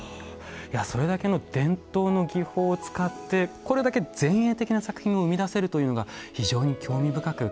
いやそれだけの伝統の技法を使ってこれだけ前衛的な作品を生み出せるというのが非常に興味深く感じられましたね。